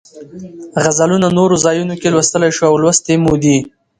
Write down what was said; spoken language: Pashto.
غزلونه نورو ځایونو کې لوستلی شو او لوستې مو دي.